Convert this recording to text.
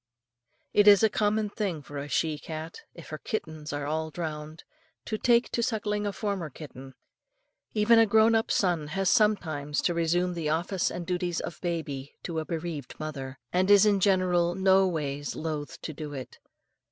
It is a common thing for a she cat, if her kittens are all drowned, to take to suckling a former kitten even a grown up son has sometimes to resume the office and duties of baby to a bereaved mother, and is in general no ways loath to do so.